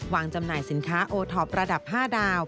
จำหน่ายสินค้าโอท็อประดับ๕ดาว